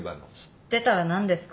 知ってたら何ですか？